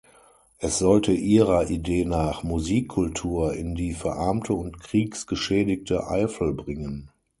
Es sollte ihrer Idee nach „Musikkultur“ in die verarmte und kriegsgeschädigte Eifel bringen.